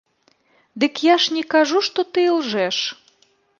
Дык я ж не кажу, што ты ілжэш!